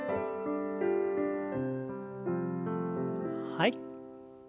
はい。